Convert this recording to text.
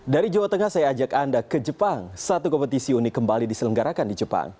dari jawa tengah saya ajak anda ke jepang satu kompetisi unik kembali diselenggarakan di jepang